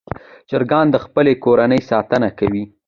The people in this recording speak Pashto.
چرګان د خپلې کورنۍ ساتنه کوي.